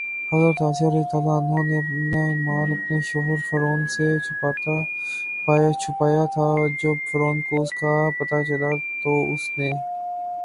حضرت آسیہ رضی اللہ تعالٰی عنہا نے اپنا ایمان اپنے شوہر فرعون سے چھپایا تھا، جب فرعون کو اس کا پتہ چلا تو اس نے